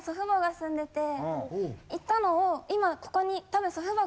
行ったのを今ここに多分。